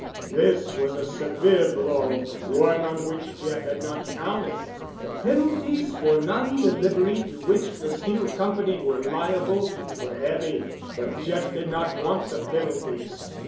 This was a severe blow—one on which Jeff had not counted. The penalties for non delivery to which the steel company were liable were heavy, but Jeff did not want the penalties.